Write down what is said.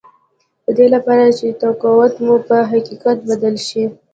د دې لپاره چې توقعات مو په حقیقت بدل شي